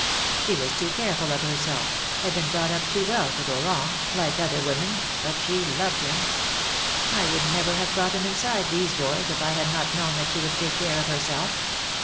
She was too careful of herself — had been brought up too well to go wrong, like other 112 women — but she loved him. I would never have brought him inside these doors if I had not known that she could take care of herself.